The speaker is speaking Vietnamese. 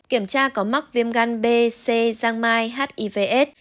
kiểm tra có mắc viêm gan b c giang mai hivs